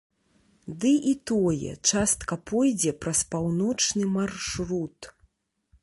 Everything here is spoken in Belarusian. Ды і тое частка пойдзе праз паўночны маршрут.